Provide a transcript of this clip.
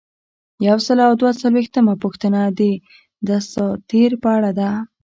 یو سل او دوه څلویښتمه پوښتنه د دساتیر په اړه ده.